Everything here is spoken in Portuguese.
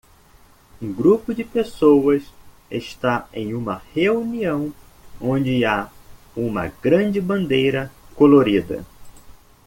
Um grupo de pessoas está em uma reunião onde há uma grande bandeira colorida